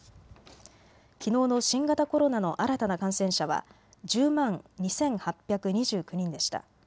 きのうの新型コロナの新たな感染者は１０万２８２９人でした。